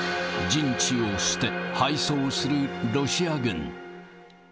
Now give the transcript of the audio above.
陣地を捨て、敗走するロシア軍。